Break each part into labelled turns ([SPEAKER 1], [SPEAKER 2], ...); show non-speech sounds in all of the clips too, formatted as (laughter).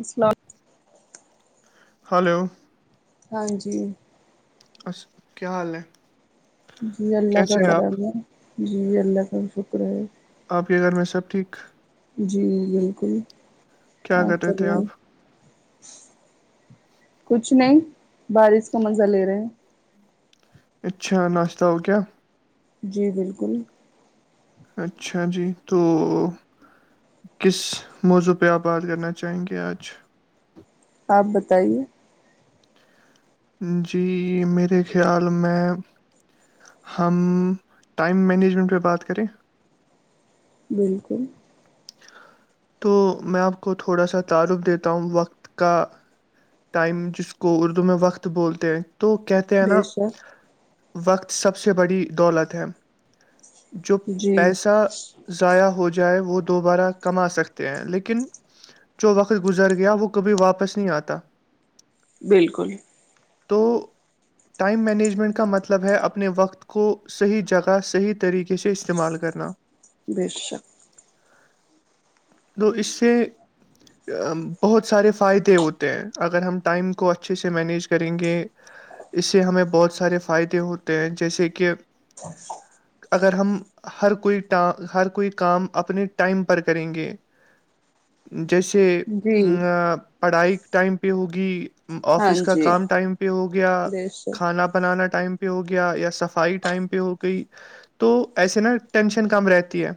[SPEAKER 1] اسلام
[SPEAKER 2] hello
[SPEAKER 1] ہاں جی
[SPEAKER 2] اس کیا حال ہے
[SPEAKER 1] جی اللہ کا
[SPEAKER 2] کیسے ہیں
[SPEAKER 1] کرم
[SPEAKER 2] آپ
[SPEAKER 1] ہے جی اللہ کا شکر ہے
[SPEAKER 2] آپ کے گھر میں سب ٹھیک
[SPEAKER 1] جی بالکل
[SPEAKER 2] کیا
[SPEAKER 1] آپ
[SPEAKER 2] رہے
[SPEAKER 1] کر
[SPEAKER 2] تھے
[SPEAKER 1] لائیں
[SPEAKER 2] آپ
[SPEAKER 1] کچھ نہیں بارش کا مزہ لے رہے ہیں
[SPEAKER 2] اچھا ناشتہ ہو کیا
[SPEAKER 1] جی بالکل
[SPEAKER 2] اچھا جی تو کس موضوع پہ آپ بات کرنا چاہیں گے آج
[SPEAKER 1] آپ بتائیے
[SPEAKER 2] جی میرے خیال میں ہم ٹائم مینجمنٹ پہ بات کریں
[SPEAKER 1] بالکل
[SPEAKER 2] تو میں آپ کو تھوڑا سا تعارف دیتا ہوں وقت کا ٹائم جس کو اردو میں وقت بولتے ہیں تو کہتے ہیں
[SPEAKER 1] بے
[SPEAKER 2] نا
[SPEAKER 1] شک
[SPEAKER 2] وقت سب سے بڑی دولت ہے جو
[SPEAKER 1] جی
[SPEAKER 2] پیسہ ضائع ہو جائے وہ دوبارہ کما سکتے ہیں لیکن جو وقت گزر گیا وہ کبھی واپس نہیں آتا
[SPEAKER 1] بالکل
[SPEAKER 2] تو ٹائم مینجمنٹ کا مطلب ہے اپنے وقت کو صحیح جگہ صحیح طریقے سے استعمال کرنا
[SPEAKER 1] بھیٹ سک
[SPEAKER 2] تو اس سے بہت سارے فائدے ہوتے ہیں اگر ہم ٹائم کو اچھے سے مینیج کریں گے اس سے ہمیں بہت سارے فائدے ہوتے ہیں جیسے کہ
[SPEAKER 1] ہ
[SPEAKER 2] اگر ہم ہر کوئیٹ ہر کوئی کام اپنے ٹائم پر کریں گے جیسے
[SPEAKER 1] جی
[SPEAKER 2] پڑھائی ٹائم پہ ہوگی
[SPEAKER 1] ہاں
[SPEAKER 2] آفس کا
[SPEAKER 1] جی
[SPEAKER 2] کام ٹائم پہ ہو گیا
[SPEAKER 1] بے شک
[SPEAKER 2] کھانا بنانا ٹائم پہ ہو گیا یا صفائی ٹائم پہ ہو گئی تو ایسے نا ٹینشن کم رہتی ہے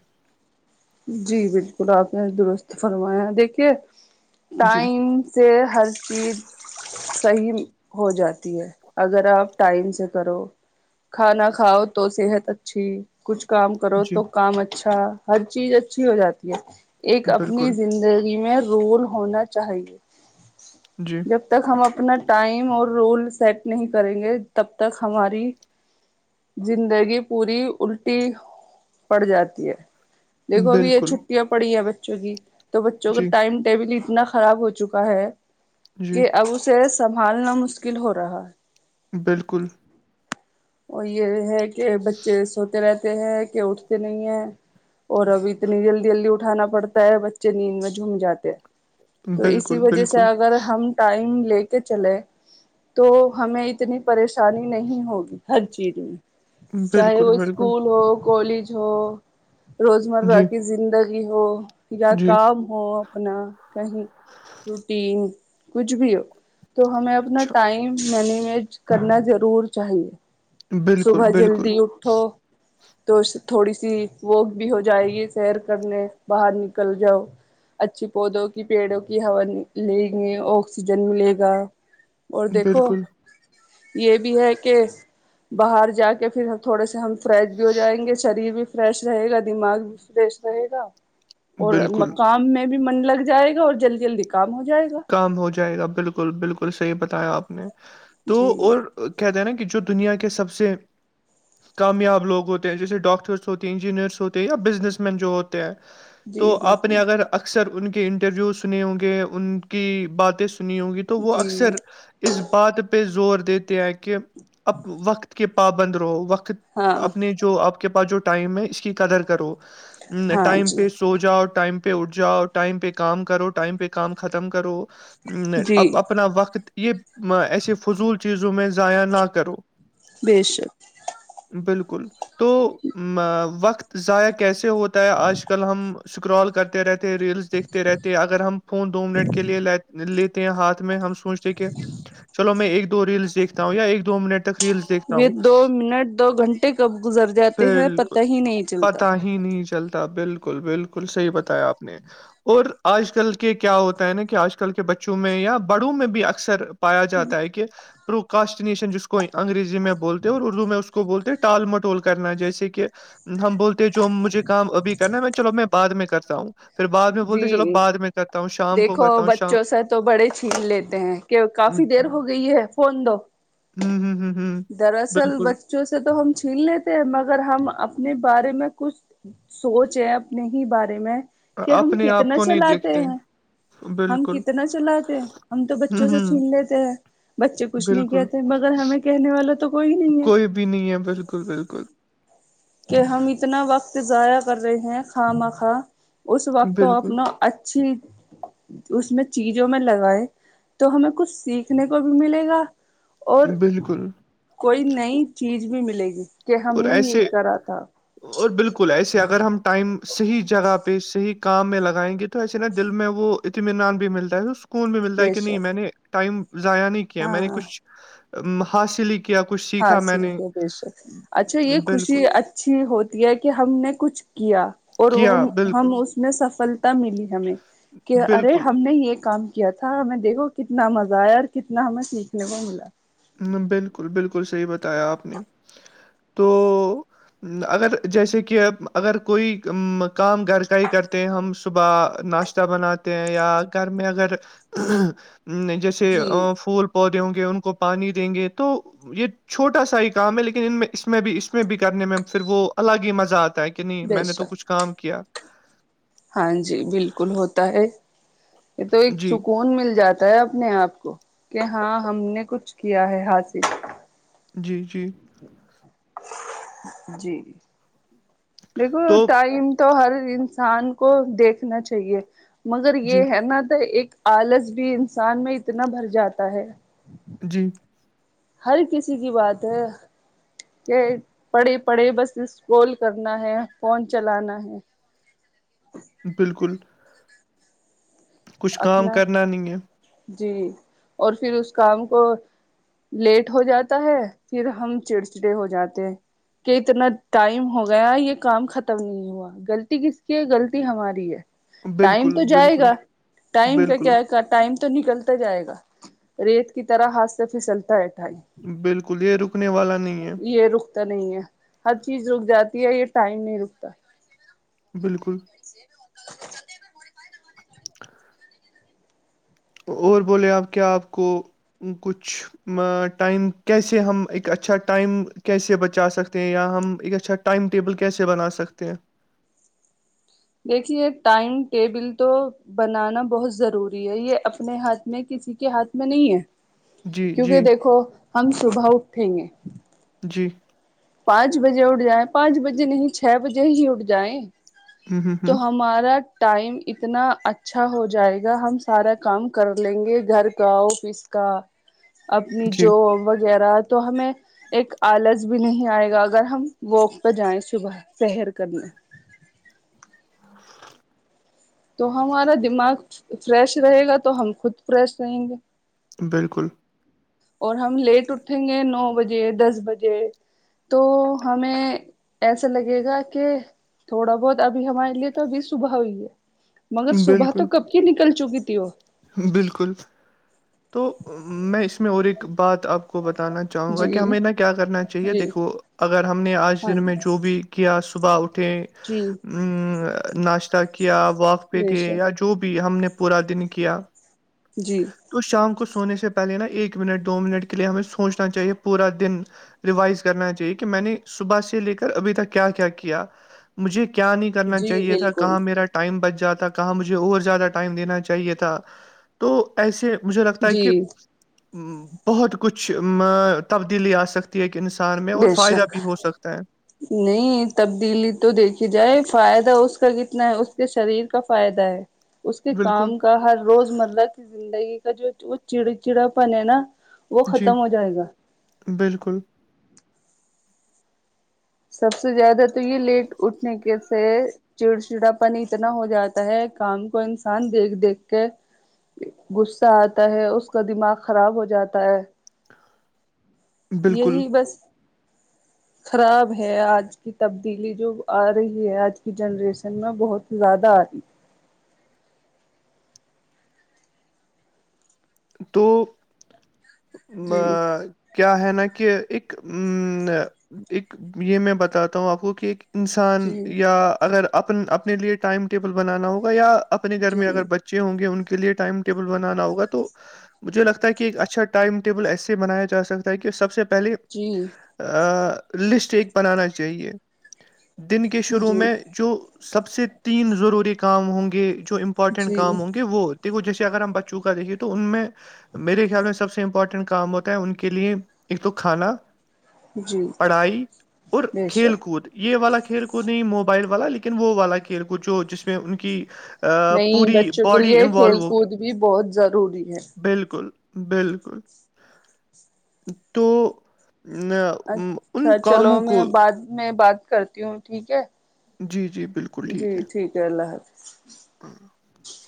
[SPEAKER 1] جی بالکل آپ نے درست فرمایا دیکھیے
[SPEAKER 2] جی
[SPEAKER 1] ٹائم سے ہر چیز صحیح ہو جاتی ہے اگر آپ ٹائم سے کرو کھانا کھاؤ تو صحت اچھی کچھ کام کرو
[SPEAKER 2] جی
[SPEAKER 1] تو کام اچھا ہر چیز اچھی ہو جاتی ہے ایک اپنی
[SPEAKER 2] بالکل
[SPEAKER 1] زندگی میں رول ہونا چاہیے
[SPEAKER 2] جی
[SPEAKER 1] جب تک ہم اپنا ٹائم اور رول سیٹ نہیں کریں گے تب تک ہماری زندگی پوری الٹی پڑ جاتی ہے دیکھو ابھی یہ
[SPEAKER 2] بالکل
[SPEAKER 1] چھٹیاں پڑی ہیں بچوں کی تو بچوں کا
[SPEAKER 2] جی
[SPEAKER 1] ٹائم ٹیبل اتنا خراب ہو چکا ہے
[SPEAKER 2] جی
[SPEAKER 1] کہ اب اسے سنبھالنا مشکل ہو رہا ہے
[SPEAKER 2] بالکل
[SPEAKER 1] وہ یہ ہے کہ بچے سوتے رہتے ہیں کہ اٹھتے نہیں ہیں اور اب اتنی جلدی جلدی اٹھانا پڑتا ہے بچے نیند میں جھوم جاتے ہیں تو اسی
[SPEAKER 2] بالکل
[SPEAKER 1] وجہ سے
[SPEAKER 2] بالکل
[SPEAKER 1] اگر ہم ٹائم لے کے چلے تو ہمیں اتنی پریشانی نہیں ہوگی ہر چیز میں چاہے
[SPEAKER 2] بالکل
[SPEAKER 1] وہ
[SPEAKER 2] بالکل
[SPEAKER 1] اسکول ہو کالج ہو روزمرہ
[SPEAKER 2] جی
[SPEAKER 1] کی زندگی ہو یا
[SPEAKER 2] جی
[SPEAKER 1] کام ہو اپنا کہیں روٹیین کھ بھی ہو تو ہمیں اپنا
[SPEAKER 2] اچھا
[SPEAKER 1] ٹائم مینج کرنا ضرور چاہیے
[SPEAKER 2] بالکل
[SPEAKER 1] صبح
[SPEAKER 2] بالکل
[SPEAKER 1] جلدی اٹھو تو تھوڑی سی وک بھی ہو جائے گی سیر کرنے باہر نکل جاؤ اچھی پودوں کی پیڑوں کی ہا لیں گی آکسیجن ملے گا اور دیکھو
[SPEAKER 2] بالکل
[SPEAKER 1] یہ بھی ہے کہ باہر جا کے پھر ہم تھوڑے سے ہم فریش بھی ہو جائیں گے شریر بھی فریش رہے گا دماغ سدیش رہے گا اور
[SPEAKER 2] بالکل
[SPEAKER 1] مقام میں بھی من لگ جائے گا اور جلدی جلدی کام ہو جائے گا
[SPEAKER 2] کام ہو جائے گا بالکل بالکل صحیح بتایا آپ نے تو
[SPEAKER 1] جی
[SPEAKER 2] اور کہتے ہیں نا کہ جو دنیا کے سب سے کامیاب لوگ ہوتے ہیں جیسے ڈاکٹرس ہوتے ہیں انجینئرس ہوتے ہیں یا بزنس مین جو ہو ہیں تو
[SPEAKER 1] جی
[SPEAKER 2] آپ نے اگر
[SPEAKER 1] بالکل
[SPEAKER 2] اکثر ان کے انٹرویو سنے ہوں گے ان کی باتیں سنی ہوںگی تو وہ
[SPEAKER 1] جی
[SPEAKER 2] اکثر اس بات پہ زور دیتے ہیں کہ اب وقت کے پابند رہو وقت
[SPEAKER 1] ہاں
[SPEAKER 2] اپنے جو آپ کے پاس جو ٹائم ہے اس کی قدر کرو
[SPEAKER 1] ہاں
[SPEAKER 2] ٹائم
[SPEAKER 1] جی
[SPEAKER 2] پہ سو جاؤ ٹائم پہ اٹھ جاؤ ٹائم پہ کام کرو ٹائم پہ کام ختم کرو
[SPEAKER 1] جی
[SPEAKER 2] اب اپنا وقت یہ ایسے فضول چیزوں میں ضائع نہ کرو
[SPEAKER 1] بے‌شک
[SPEAKER 2] بالکل تو وقت ضائع کیسے ہوتا ہے آج کل ہم اسکرال کرتے رہتے ہیں ریلس دیکھتے رہتے ہیں اگر ہم فون دو منٹ کے کے لیے ل لیتے ہیں ہاتھ میں ہم سوچتے کہ چلو میں ایک دو ریلس دیکھتا ہوں یا ایک دو منٹ ریلس دیکھتا
[SPEAKER 1] یہ
[SPEAKER 2] ہوں
[SPEAKER 1] دو منٹ دو گھنٹے کب گزر جاتے ہیں
[SPEAKER 2] بالکل
[SPEAKER 1] پتہ ہی نہیں چلتا
[SPEAKER 2] پتا ہی نہیں چلتا بالکل بالکل صحیح بتایا آپ نے اور آج کل کے کیا ہوتے ہے نا کہ آج کل کے بچوں میں یا بڑوں میں بھی اکثر پایا جاتا ہے کہ پرو کاسٹینشن جس کو انگریزی میں بولتے ہیں اور اردو میں اس کو بولتے ہیں ٹال مٹول کرنا جیسے کہ ہم بولتے جو مجھے کام ابھی کرنا ہے میں چلو میں بع میں کرتا ہوں پھر بعد میں بولتے چلو
[SPEAKER 1] جی
[SPEAKER 2] بد میں کرتا ہوں شام کو کرتا ہوں شام
[SPEAKER 1] بچوں سے تو بڑے چھین لیتے ہیں کہ
[SPEAKER 2] ہوں
[SPEAKER 1] کافی دیر ہو گئی ہے فون دو
[SPEAKER 2] ہوں ہوں
[SPEAKER 1] دراصل
[SPEAKER 2] بالکل
[SPEAKER 1] بچوں سے تو ہم چھین لیتے ہیں مگر ہم اپنے بارے میں کچھ سوچ ہے اپنے ہی بارے میں کہ ہم
[SPEAKER 2] اپنے آپ
[SPEAKER 1] کتنا
[SPEAKER 2] کو نہیں
[SPEAKER 1] چلاتے
[SPEAKER 2] دیکھتے
[SPEAKER 1] ہیں ہم
[SPEAKER 2] بالکل
[SPEAKER 1] کتنا چلاتے ہم تو بچوں
[SPEAKER 2] ہوں
[SPEAKER 1] سے
[SPEAKER 2] ہوں
[SPEAKER 1] چھین لیتے ہیں بچے کچھ نہیں
[SPEAKER 2] بالکل
[SPEAKER 1] کہتے مگر ہمیں کہنے والا تو کوئی نہیں ہے
[SPEAKER 2] کوئی بھی نہیں ہے بالکل بالکل
[SPEAKER 1] کہ ہم اتنا وقت ضائع کر رہے ہیں خواہ مکھو اس وقت
[SPEAKER 2] بالکل
[SPEAKER 1] اپنا اچھی اس میں چیزوں میں لگائے تو ہمیں کچھ سیکھنے کو بھی ملے گا اور
[SPEAKER 2] بالکل
[SPEAKER 1] کوئی نئی چیز بھی ملے گی کہ ہم
[SPEAKER 2] اور
[SPEAKER 1] نے
[SPEAKER 2] ایسے
[SPEAKER 1] یہ کرا تھا
[SPEAKER 2] اور بالکل ایسے اگر ہم ٹائم صحیح جگہ پہ صحیح کام میں لگائیں گے تو ایسے نا دل میں وہ اطمینان بھی ملتا ہے اس کو کون بھی ملتا ہے
[SPEAKER 1] بے
[SPEAKER 2] کہ نہیں
[SPEAKER 1] شک
[SPEAKER 2] میں نے ٹائم ضائع نہیں کیا میں نے
[SPEAKER 1] ہاں
[SPEAKER 2] کچھ حاصل ہی کیا کچھ سیکھا میں
[SPEAKER 1] حاصل
[SPEAKER 2] نے
[SPEAKER 1] کے بے شک اچھا یہ
[SPEAKER 2] بالکل
[SPEAKER 1] خوشی اچھی ہوتی ہے کہ ہم نے کچھ کیا اور
[SPEAKER 2] کیا
[SPEAKER 1] ہم
[SPEAKER 2] بالکل
[SPEAKER 1] اس سفلتا ملی ہمیں کہ ارے
[SPEAKER 2] بالکل
[SPEAKER 1] ہم نے یہ کام کیا تھا ہمیں دیکھو کتنا مزہ آیا اور کتنا ہمیں سیکھنے کو ملا
[SPEAKER 2] بالکل بالکل صحیح بتایا آپ نے تو اگر جیسے کہ اگر کوئی کام گھر کا ہی کرتے ہیں ہم صبح ناشتہ بناتے ہیں یا گھر میں اگر جیسے
[SPEAKER 1] جی
[SPEAKER 2] پھول پودے ہوں گے ان کو پانی دیں گے تو یہ چھوٹا سا ہی کام ہے لیکن ان میں اس میں بھی اس میں بھی کرنے میں پھر وہ الگ ہی مزہ آتا ہے کہ کہ نہیں
[SPEAKER 1] بے
[SPEAKER 2] میں نے تو
[SPEAKER 1] شک
[SPEAKER 2] کچھ کام کیا
[SPEAKER 1] ہاں جی بالکل ہوتا ہے یہ تو ایک
[SPEAKER 2] جی
[SPEAKER 1] سکون مل جاتا بتا اپنے آپ کو کہ ہاں ہم نے کچھ کیا ہے حاصل
[SPEAKER 2] جی جی
[SPEAKER 1] جی دیکھو
[SPEAKER 2] تو
[SPEAKER 1] ٹائم تو ہر انسان کو دیکھنا چاہیے مگر
[SPEAKER 2] جی
[SPEAKER 1] یہ ہے نا تو ایک آلس بھی انسان میں اتنا بھر جاتا ہے
[SPEAKER 2] جی
[SPEAKER 1] ہر کسی کی بات ہے یہ پڑھے پڑھے بس اسکال کرنا ہے فون چلانا ہے
[SPEAKER 2] بالکل کچھ کام
[SPEAKER 1] اپنا
[SPEAKER 2] کرنا نہیں ہے
[SPEAKER 1] جی اور پھر اس کام کو لیٹ ہو جاتا ہے پھر ہم چڑچڑے ہو جاتے ہیں کہ اتنا ٹائم ہو گیا یہ کام ختم نہیں ہوا غلطی کس کی ہے غلطی ہماری ہے ٹائم
[SPEAKER 2] بالکل
[SPEAKER 1] تو جائے
[SPEAKER 2] بالکل
[SPEAKER 1] گا ٹائم کا
[SPEAKER 2] بالکل
[SPEAKER 1] کیا کا ٹائم تو نکلتا جائے گا ریت کی طرح ہاتھ سے پھسلتا ہے ٹائم
[SPEAKER 2] بالکل یہ رکنے والا نہیں ہے
[SPEAKER 1] یہ رکتا نہیں ہے ہر چیز رک جاتی ہے یہ ٹائم نہیں رکتا
[SPEAKER 2] بالکل
[SPEAKER 1] (inaudible)
[SPEAKER 2] (inaudible) اور بولے آپ کیا آپ کو کچھ ٹائم کیسے ہم ایک اچھا ٹائم کیسے بچا سکتے ہیں یا ہم ایک اچھا ٹائم ٹیبل کیسے بنا سکتے ہیں
[SPEAKER 1] دیکھیے ٹائم ٹیبل تو بنانا بہت ضروری ہے یہ اپنے ہاتھ میں کسی کے ہاتھ میں نہیں ہے
[SPEAKER 2] جی
[SPEAKER 1] کیونکہ
[SPEAKER 2] جی
[SPEAKER 1] دیکھو ہم صبح اٹھیں گے
[SPEAKER 2] جی
[SPEAKER 1] پانچ بجے اٹھ جائیں پانچ بجے نہیں چھ بجے ہی اٹھ جائیں
[SPEAKER 2] ہ ہ ہ
[SPEAKER 1] تو ہمارا ٹائم اتنا اچھا ہو جائے گا ہم سارا کام کر لیں گے گھر کا آفس کا
[SPEAKER 2] (inaudible)
[SPEAKER 1] اپنی
[SPEAKER 2] جی
[SPEAKER 1] جو وغیرہ تو ہمیں ایک آلس بھی نہیں آئے گا اگر ہم واک پہ جائیں صبح سہر کرنے
[SPEAKER 2] (inaudible)
[SPEAKER 1] تو ہمارا دماغ فریش رہے گا تو ہم خود فریش رہیں گے
[SPEAKER 2] بالکل
[SPEAKER 1] اور ہم لیٹ اٹھیں گے نو بجے دس بجے تو ہمیں ایسا لگے گا کہ تھوڑا بہت ابھی ہمارے لیے تو ابھی صبح ہوئی ہے مگر صبح تو
[SPEAKER 2] بالکل
[SPEAKER 1] کب کی نکل چکی تھی وہ
[SPEAKER 2] بالکل تو میں اس میں اور ایک بات آپ کو بتانا چاہوں گا کہ
[SPEAKER 1] جی
[SPEAKER 2] ہمیں نہ کیا کرنا چاہیے
[SPEAKER 1] جی
[SPEAKER 2] دیکھو اگر ہم نے آج
[SPEAKER 1] ہاں
[SPEAKER 2] دن میں
[SPEAKER 1] جی
[SPEAKER 2] جو بھی کہ صبح اٹھیں
[SPEAKER 1] جی
[SPEAKER 2] ناشتہ کیا واک پہ
[SPEAKER 1] بے
[SPEAKER 2] گئے
[SPEAKER 1] شک
[SPEAKER 2] یا جو بھی ہم نے پورا دن کیا
[SPEAKER 1] جی
[SPEAKER 2] تو شام کو سونے سے پہلے نا ایک منٹ دو منٹ کے لیے ہمیں سوچنا چاہیے پورا دن ریوائز کرنا چاہیے کہ میں نے صبح سے لے کر ابھی تک کیا کیا کیا مجھے کیا نہیں کرنا
[SPEAKER 1] جی
[SPEAKER 2] چاہیے تھا
[SPEAKER 1] بالکل
[SPEAKER 2] کہاں میرا ٹائم بچ جاتا کہاں مجھے اور زیادہ ٹائم دینا چاہیے تھا تو ایسے مجھے لگتا ہے
[SPEAKER 1] جی
[SPEAKER 2] کہ بہت کچھ تبدیلی آ سکھ تی ہے انسان میں اور
[SPEAKER 1] بے
[SPEAKER 2] فائدہ
[SPEAKER 1] شک
[SPEAKER 2] بھی ہو سکتا ہے
[SPEAKER 1] نہیں تبدیلی تو دیکھی جائے فائدہ اس کا کتنا ہے اس کے شریر کا فائدہ ہے اس کے
[SPEAKER 2] بالکل
[SPEAKER 1] کام کا ہر روز الگ زندگی کا جو چڑ چڑاپن ہے نا وہ
[SPEAKER 2] جی
[SPEAKER 1] ختم ہو جائے گا
[SPEAKER 2] بالکل
[SPEAKER 1] سب سے زیادہ تو یہ لیٹ اٹھنے کے سے چڑ چڑا پن اتنا ہو جاتا ہے کام کو انسان دیکھ دیکھ کے غصہ آتا ہے اس کا دماغ خراب ہو جاتا ہے
[SPEAKER 2] بالکل
[SPEAKER 1] یہی بس
[SPEAKER 2] (inaudible)
[SPEAKER 1] خراب ہے آج کی تبدیلی جو آ رہی ہے آج کی جنریشن میں بہت زیادہ آتی
[SPEAKER 2] تو
[SPEAKER 1] جی
[SPEAKER 2] کیا ہے نا کہ ایک ا ایک یہ میں بتاتا ہوں آپ کو کہ ایک انسان
[SPEAKER 1] جی
[SPEAKER 2] یا اگر اپ اپنے لیے ٹائم ٹیبل بنانا ہوگا یا اپنے گھر
[SPEAKER 1] جی
[SPEAKER 2] میں اگر بچ اچے ہوں گے ان کے لیے ٹائم ٹیبل بنانا ہوگا تو مجھے لگتا ہے کہ ایک اچھا ٹائم ٹیبل ایسے بنایا جا سکتا ہے کہ سب سے پہلے
[SPEAKER 1] جی
[SPEAKER 2] آ لسٹ ایک بنانا چاہیے دن کے شروع
[SPEAKER 1] جی
[SPEAKER 2] میں جو سب سے تین ضروری کام ہوں گے جو امپورٹینٹ
[SPEAKER 1] جی
[SPEAKER 2] کام ہوں گے وہ جیے اگر ہم بچوں کا دیکھیے تو ان میں میرے خیال میں سب سے امپورٹنٹ کام ہوتا ہے ان کے لیے ایک تو کھانا
[SPEAKER 1] جی
[SPEAKER 2] پڑھائی اور
[SPEAKER 1] بے
[SPEAKER 2] کھیل
[SPEAKER 1] شک
[SPEAKER 2] کود یہ والا کھیل کود نہیں موبائل والا لیکن وہ والا کھیل کود جو جس میں ان کی آ،
[SPEAKER 1] نہیں
[SPEAKER 2] پوری
[SPEAKER 1] بچوں کے
[SPEAKER 2] باڈی
[SPEAKER 1] لیے
[SPEAKER 2] انوالو
[SPEAKER 1] کھیل
[SPEAKER 2] ہوگی
[SPEAKER 1] کود بھی بہت ضروری ہے
[SPEAKER 2] بالکل بالکل تو میں
[SPEAKER 1] اچھا چلو میں بعد میں بات کرتی ہوں ٹھیک ہے
[SPEAKER 2] جی جی بالکل ٹھیک ہے
[SPEAKER 1] کرلح
[SPEAKER 2] (inaudible)